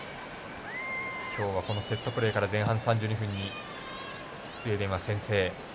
今日は、セットプレーから前半３２分にスウェーデンは先制。